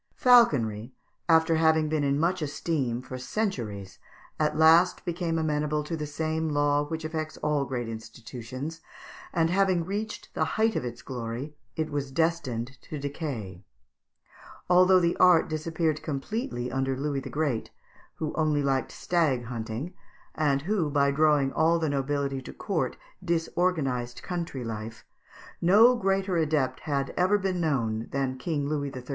Falconry, after having been in much esteem for centuries, at last became amenable to the same law which affects all great institutions, and, having reached the height of its glory, it was destined to decay. Although the art disappeared completely under Louis the Great, who only liked stag kunting, and who, by drawing all the nobility to court, disorganized country life, no greater adept had ever been known than King Louis XIII.